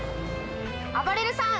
あばれるさん